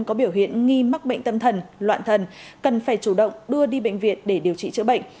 có biểu hiện nghi mắc bệnh tâm thần loạn thần cần phải chủ động đưa đi bệnh viện để điều trị chữa bệnh